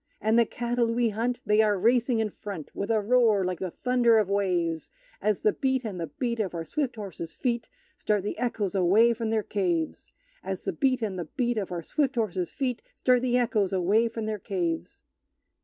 And the cattle we hunt they are racing in front, With a roar like the thunder of waves, As the beat and the beat of our swift horses' feet Start the echoes away from their caves! As the beat and the beat Of our swift horses' feet Start the echoes away from their caves!